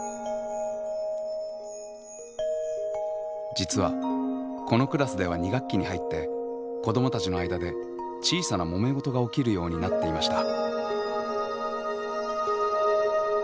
実はこのクラスでは２学期に入って子どもたちの間で小さなもめ事が起きるようになっていました。